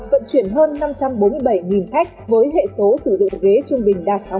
vận chuyển hơn năm trăm bốn mươi bảy nghìn khách với hệ số sử dụng ghế trung bình đạt sáu mươi bốn